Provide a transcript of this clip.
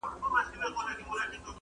نه مي وېره له برېښنا نه له توپانه!!